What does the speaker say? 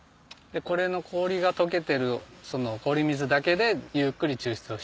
これの氷が溶けてる氷水だけでゆっくり抽出を。